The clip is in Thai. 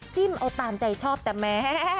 จิ้มเอาตามใจชอบแต่แม้